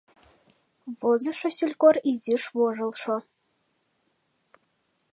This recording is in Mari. Возышо селькор изиш вожылжо.